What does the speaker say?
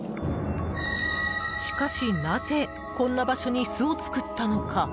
しかし、なぜこんな場所に巣を作ったのか？